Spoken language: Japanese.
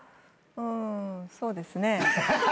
うんそうですね。